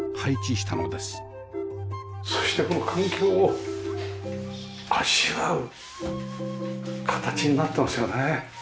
そしてこの環境をあしらう形になってますよね。